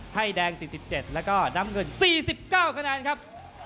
ให้แดง๔๗แล้วก็น้ำเงิน๔๙คะแนนครับ